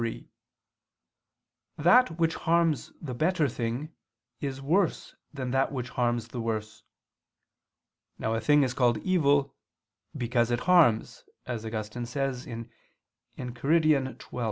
3: That which harms the better thing is worse than that which harms the worse. Now a thing is called evil "because it harms," as Augustine says (Enchiridion xii).